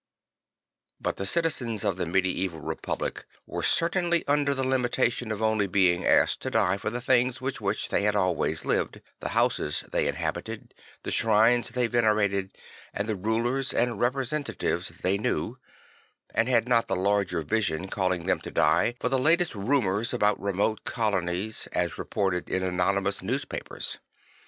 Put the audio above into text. But the Francis the Fighter 49 citizens of the medieval republic \vere certainly under the limitation of only being asked to die for the things with which they had always lived, the houses they inhabited, the shrines they venerated and the rulers and representatives they knew; and had not the larger vision calling them to die for the latest rumours about remote colonies as reported in anonymous newspapers.